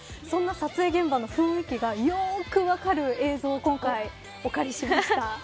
そんな撮影現場の雰囲気がよく分かる映像を今回お借りしました。